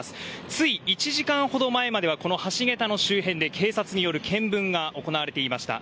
つい１時間ほど前まではこの橋桁の周辺で警察による検分が行われていました。